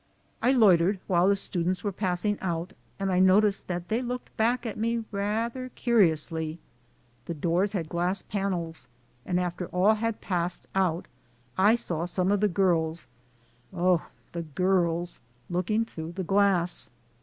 I loitered while the students were passing out, and I noticed that they looked back at me rather curiously. The doors had glass panels, and after all had passed out I saw some of the girls (oh, the girls!) looking through the glass.